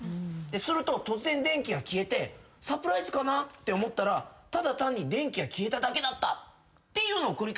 すると突然電気が消えてサプライズかなって思ったらただ単に電気が消えただけだったっていうのを繰り返す感じ。